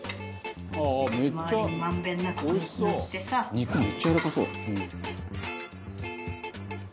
「肉めっちゃやわらかそう」